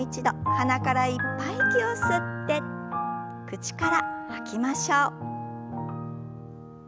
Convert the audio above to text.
鼻からいっぱい息を吸って口から吐きましょう。